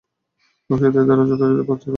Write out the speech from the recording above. ভবিষ্যতেও এ ধারা যথারীতি অব্যাহত থাকবে।